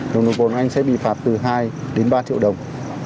nồng độ cồn của anh sẽ bị phạt từ hai đến ba triệu đồng